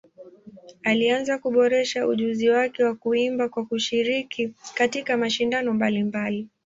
Alianza kuboresha ujuzi wake wa kuimba kwa kushiriki katika mashindano mbalimbali.